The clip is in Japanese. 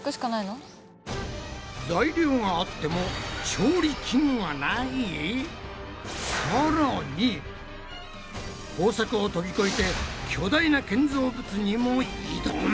材料があっても工作を飛び越えて巨大な建造物にも挑む！？